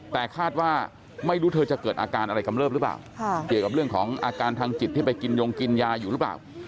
แต่คาดว่าไม่รู้เธอจะเกิดอาการอะไรกำเริบหรือเปล่าเกี่ยวกับเรื่องของอาการทางจิตที่ไปกินยงกินยาอยู่หรือเปล่า